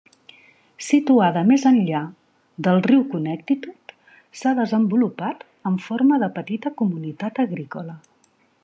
Situada més enllà del riu Connecticut, s'ha desenvolupat en forma de petita comunitat agrícola.